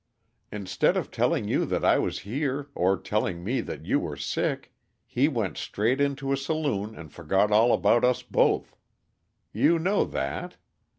Instead of telling you that I was here, or telling me that you were sick, he went straight into a saloon and forgot all about us both. You know that.